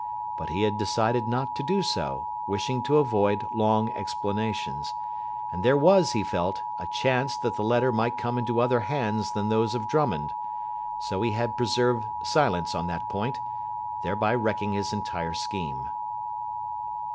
But he had decided not to do so, wishing to avoid long explanations. And there was, he felt, a chance that the letter might come into other hands than those of Drummond. So he had preserved silence on that point, thereby wrecking his entire scheme.